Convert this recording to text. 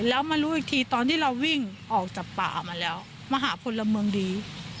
แล้วมารู้อีกทีตอนที่เราวิ่งออกจากป่ามาแล้วมาหาพลเมืองดี